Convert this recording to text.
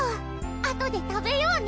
あとで食べようね！